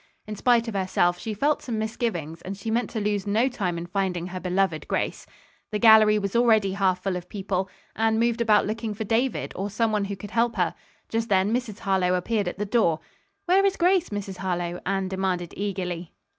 In spite of herself she felt some misgivings and she meant to lose no time in finding her beloved Grace. The gallery was already half full of people. Anne moved about looking for David, or some one who could help her. Just then Mrs. Harlowe appeared at the door. "Where is Grace, Mrs. Harlowe?" Anne demanded eagerly.